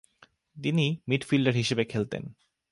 তিনি মিডফিল্ডার হিসেবে খেলতেন।